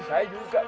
saya juga pak